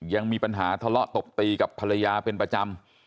ยังมีปัญหาทะเลาะตบตีกับภรรยาเป็นประจำ